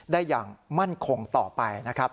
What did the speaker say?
ได้อย่างมั่นคงต่อไปนะครับ